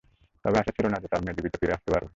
তার আশা ছিল না যে, তার মেয়ে জীবিত ফিরে আসবে।